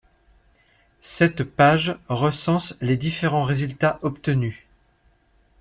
Cette page recense les différents résultats obtenus.